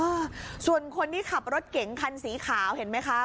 อ่าส่วนคนที่ขับรถเก๋งคันสีขาวเห็นไหมคะ